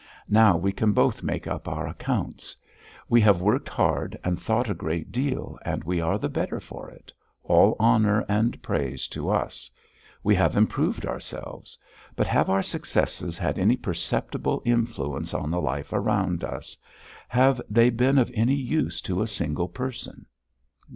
"Now we can both make up our accounts. We have worked hard and thought a great deal and we are the better for it all honour and praise to us; we have improved ourselves; but have our successes had any perceptible influence on the life around us, have they been of any use to a single person?